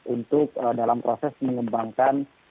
untuk dalam proses mengembangkan